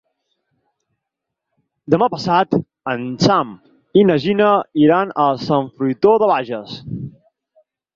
Demà passat en Sam i na Gina iran a Sant Fruitós de Bages.